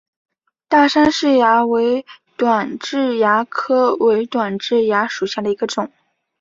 大杉氏蚜为短痣蚜科伪短痣蚜属下的一个种。